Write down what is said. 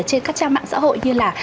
trên các trang mạng xã hội như là